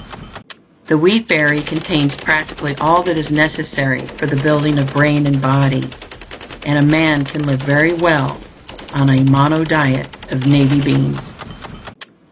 The wheat berry contains practically all that is necessary for the building of brain and body; and a man can live very well on a monodiet of navy beans.